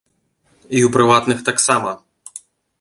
І ў прыватных таксама.